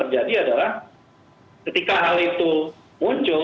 jadi ketika hal itu muncul